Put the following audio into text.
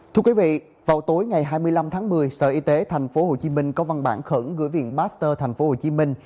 thưa quý vị vào tối ngày hai mươi năm tháng một mươi sở y tế tp hcm có văn bản khẩn gửi viện baxter tp hcm